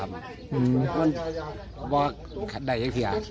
มันได้อย่างเที่ยว